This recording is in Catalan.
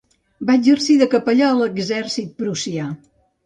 Va exercir de capellà a l'exèrcit prussià.